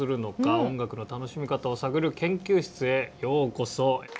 音楽の楽しみ方を探る研究室へようこそ。